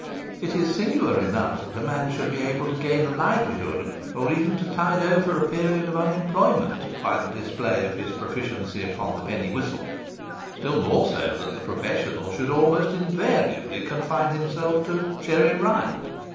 It is singular enough that a man should be able to gain a livelihood, or even to tide over a period of unemployment, by the display of his proficiency upon the penny whistle; still more so, that the professional should almost invariably confine himself to 'Cherry Ripe'.